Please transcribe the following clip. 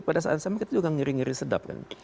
pada saat saat itu kita juga ngeri ngeri sedap kan